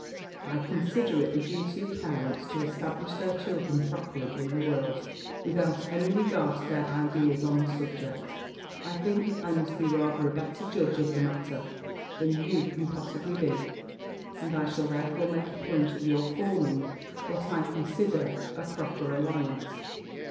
I consider it the duty of parents to establish their children properly in the world, without any regard to their ideas on the subject. I think I must be rather a better judge of the matter than you can possibly be, and I shall therefore make a point of your forming what I consider a proper alliance.